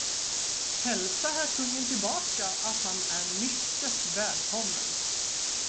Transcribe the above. Hälsa herr kungen tillbaka, att han är mycket välkommen!